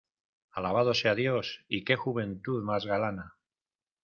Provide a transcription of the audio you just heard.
¡ alabado sea Dios, y qué juventud más galana!